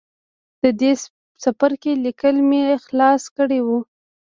د دې څپرکي ليکل مې خلاص کړي وو.